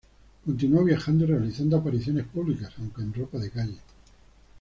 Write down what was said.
Continuó viajando y realizando apariciones públicas, aunque en ropa de calle.